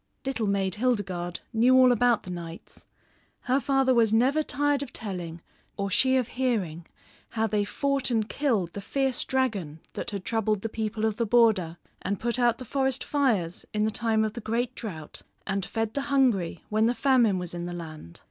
Little Maid Hildegarde knew all about the knights. Her father was never tired of telling, or she of hearing, how they fought and killed the fierce dragon that had troubled the people of the border; and put out the forest fires in the time of the great drought and fed the hungry when the famine was in the land.